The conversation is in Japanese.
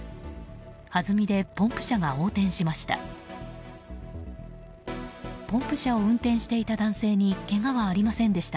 はずみでポンプ車が横転しました。